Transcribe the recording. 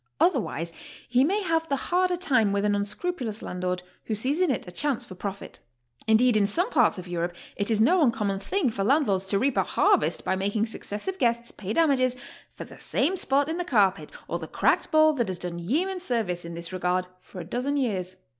Otherwise he may have the harder time with an unscrupulous landlord who sees in it a chance for profit. Indeed, in some parts of Europe it is no uncommon thing foi'* landlords to reap a harvest by making successive guests pay damages for the same spot in the car pet or the cracked bowl that has done yeoman service in this regard for a dozen years.